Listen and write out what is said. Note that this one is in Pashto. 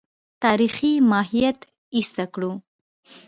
تاریخي ماهیت ایسته کړو.